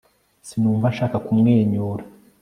sinumva nshaka kumwenyura